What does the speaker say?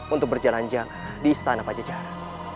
untuk berjalan jalan di istana pajajaran